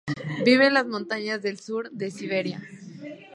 Vive en las montañas del sur de Siberia.